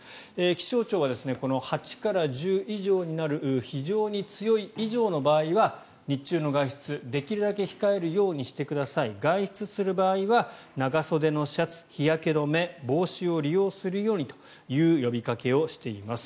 気象庁は、８から１０以上になる非常に強い以上の場合は日中の外出をできるだけ控えるようにしてください外出する場合は長袖のシャツ、日焼け止め帽子を利用するようにという呼びかけをしています。